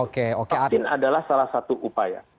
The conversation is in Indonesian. vaksin adalah salah satu upaya